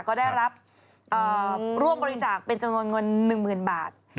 ก็ได้รับร่วมบริจาคเป็นจำนวนเงิน๑๐๐๐บาท